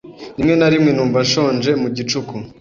Rimwe na rimwe numva nshonje mu gicuku.